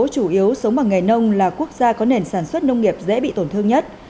chủ yếu sống bằng nghề nông là quốc gia có nền sản xuất nông nghiệp dễ bị tổn thương nhất